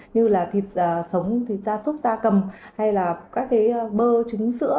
như là thịt sống thịt da sốt da cầm hay là các bơ trứng sữa